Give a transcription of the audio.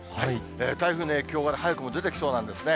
台風の影響が早くも出てきそうなんですね。